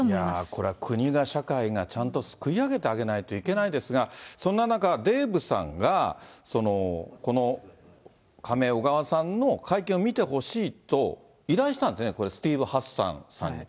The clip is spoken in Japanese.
これは国が、社会がちゃんとすくい上げてあげないといけないですが、そんな中、デーブさんがこの仮名、小川さんの会見を見てほしいと依頼したんですね、これ、スティーブン・ハッサンさんに。